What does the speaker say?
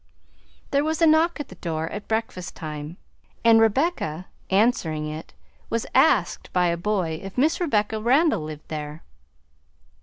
There was a knock at the door at breakfast time, and Rebecca, answering it, was asked by a boy if Miss Rebecca Randall lived there.